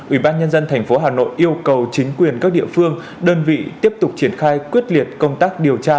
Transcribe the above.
ủy ban nhân dân tp hà nội yêu cầu chính quyền các địa phương đơn vị tiếp tục triển khai quyết liệt công tác điều tra